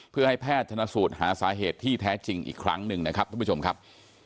เพื่อให้แพทย์ชนสูตรหาสาเหตุที่แท้จริงอีกครั้งหนึ่งนะครับทุกผู้ชมครับ